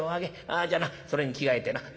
ああじゃなそれに着替えてな。